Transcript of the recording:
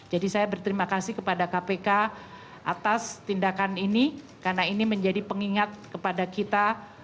jadi saya berterima kasih kepada kpk atas tindakan ini karena ini menjadi pengingat kepada kita